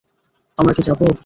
আমরা কি যাব?